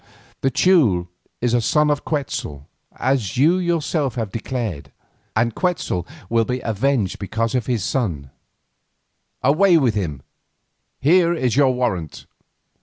The Teule is a son of Quetzal, as you have yourself declared, and Quetzal will be avenged because of his son. Away with him, here is your warrant."